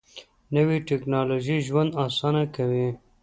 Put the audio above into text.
نوې ټیکنالوژي ژوند اسانه کوي